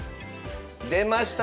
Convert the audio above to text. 出ました！